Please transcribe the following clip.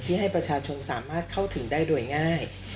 ให้ประชาชนสามารถเข้าถึงได้โดยง่าย